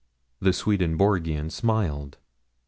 The Swedenborgian smiled.